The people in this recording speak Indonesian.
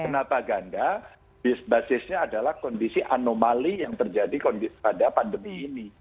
kenapa ganda basisnya adalah kondisi anomali yang terjadi pada pandemi ini